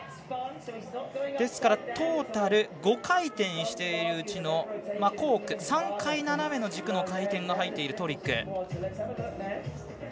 ですからトータル５回転しているうちのコーク、３回、斜めの軸の回転が入っているトリック。